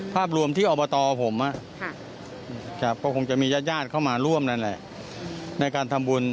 ภาพรวมที่อบตผมก็คงจะมีญาติญาติเข้ามาร่วมนั่นแหละในการทำบุญ